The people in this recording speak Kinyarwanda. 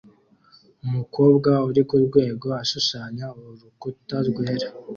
Umukobwa uri kurwego ashushanya urukuta rwera